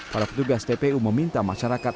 para petugas tpu meminta masyarakat